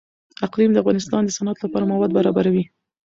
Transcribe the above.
اقلیم د افغانستان د صنعت لپاره مواد برابروي.